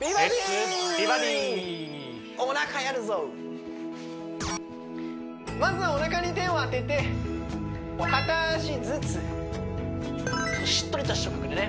おなかやるぞまずはおなかに手を当てて片足ずつしっとりとした曲でね